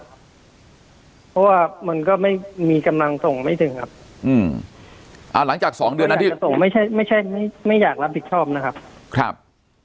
เพราะว่ามันก็มีกำลังส่งไม่ถึงครับไม่อยากรับผิดชอบนะครับ